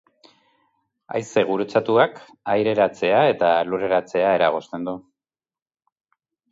Haize gurutzatuak aireratzea eta lurreratzea eragozten du.